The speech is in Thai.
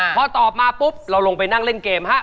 พอตอบมาปุ๊บเราลงไปนั่งเล่นเกมฮะ